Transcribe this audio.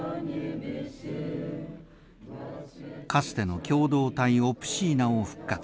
かつての共同体オプシーナを復活。